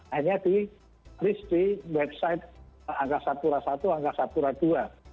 hanya di risk di website angkasa pura i angkasa pura ii